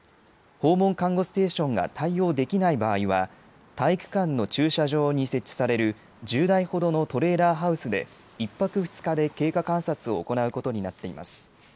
訪問看護ステーションが対応できない場合は、体育館の駐車場に設置される１０台ほどのトレーラーハウスで、１泊２日で経過観察を行うことになっています。